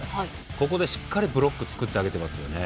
ここで、しっかりブロック作ってあげてますよね。